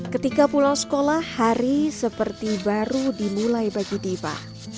ketika pulang sekolah hari seperti baru dimulai bagi diva